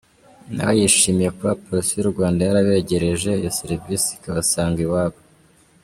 Nawe yishimiye kuba Polisi y’u Rwanda yarabegereje iyo serivisi ikabasanga iwabo.